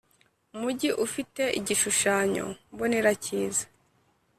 umujyi ufite igishushanyo mbonera cyiza